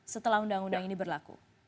setelah undang undang ini berlaku